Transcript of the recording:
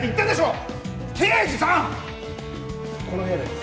この部屋です。